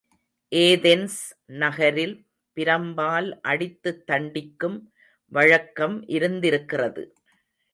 Athens நகரில் பிரம்பால் அடித்துத் தண்டிக்கும் வழக்கம் இருந்திருக்கிறது.